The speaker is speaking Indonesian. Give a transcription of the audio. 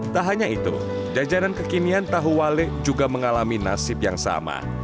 tak hanya itu jajanan kekinian tahu wale juga mengalami nasib yang sama